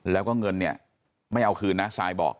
แล้วก็เงินเนี่ยไม่เอาคืนนะซายบอก